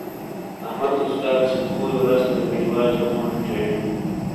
احمد استاد سے کُویو رسمے گہ رواجو موجی چینڈ۔